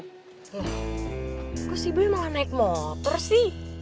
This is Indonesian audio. aduh kok si boy malah naik motor sih